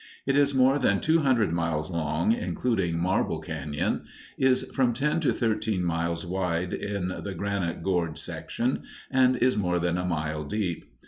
It is more than two hundred miles long, including Marble Cañon, is from ten to thirteen miles wide in the granite gorge section, and is more than a mile deep.